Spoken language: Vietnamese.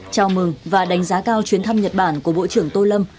chào mừng và đánh giá cao chuyến thăm nhật bản của bộ trưởng tô lâm